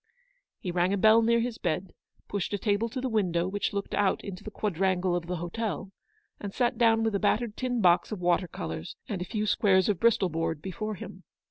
" He rang a bell near his bed, pushed a table to the window which looked out into the quad rangle of the hotel, and sat down with a battered tin box of water colours and a few squares of Bristol board before him.